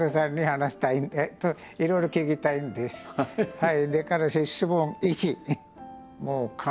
はい。